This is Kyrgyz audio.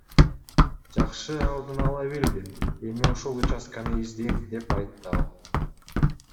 Жакшы алдын ала билдим, эми ошол участканы издейм, — деп айтты ал.